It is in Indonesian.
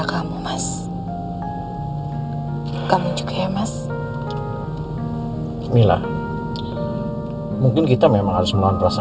kalau yang ngomong berarti